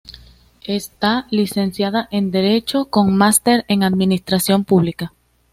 Está licenciada en Derecho, con máster en Administración pública.